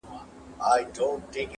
شمع به واخلي فاتحه د جهاني د نظم!